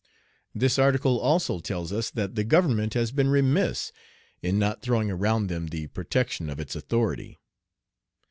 This article also tells us that "the government has been remiss in not throwing around them the protection of its authority."